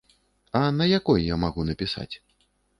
А на якой я магу напісаць?